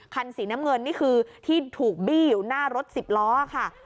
คันสีน้ำเงินนี่คือที่ถูกบี้อยู่หน้ารถสิบล้อค่ะ